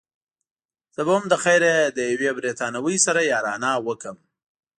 زه به هم له خیره له یوې بریتانوۍ سره یارانه وکړم.